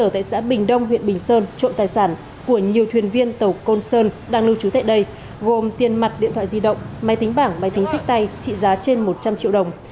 và một thành viên tàu côn sơn đang lưu trú tại đây gồm tiền mặt điện thoại di động máy tính bảng máy tính sách tay trị giá trên một trăm linh triệu đồng